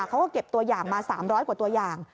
เขาก็เก็บตัวอย่างมา๓๐๐กว่าตัวอย่าง